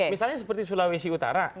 misalnya seperti sulawesi utara